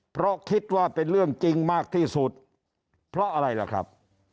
เพราะคิดว่าเป็นเรื่องจริงมากที่สุดเพราะอะไรล่ะครับ